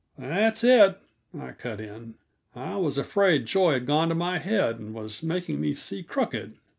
"That's it," I cut in. "I was afraid joy had gone to my head and was making me see crooked.